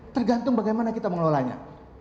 tergantung bagaimana kita mengelolanya